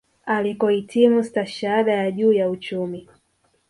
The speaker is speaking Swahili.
Alikohitimu stashahada ya juu ya uchumi